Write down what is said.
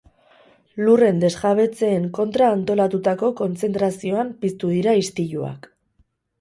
Lurren desjabetzeen kontra antolatutako kontzentrazioan piztu dira istiluak.